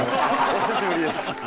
お久しぶりです。